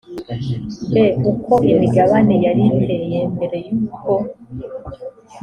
b uko imigabane yari iteye mbere y uko